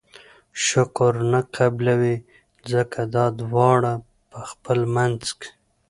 شکر نه قبلوي!! ځکه دا دواړه په خپل منځ کي